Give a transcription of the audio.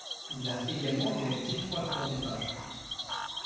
Il a également réalisé trois courts métrages.